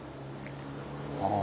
ああ。